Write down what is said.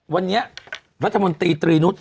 วันนี้รัฐมนตรีตรีนุษย